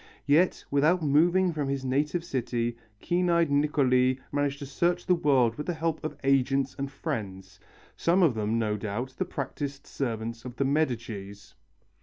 Yet without moving from his native city, keen eyed Niccoli managed to search the world with the help of agents and friends some of them, no doubt, the practised servants of the Medicis.